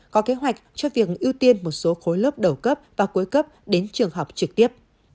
có kế hoạch cho việc ưu tiên một số khối lớp đầu cấp và cuối cấp đến trường học trực tiếp